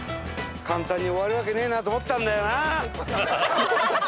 簡単に終わるわけねえなと思ったんだよな！